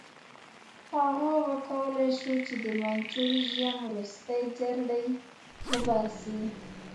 هغه وکولای شو چې د منچو رژیم ورستۍ جرړې وباسي.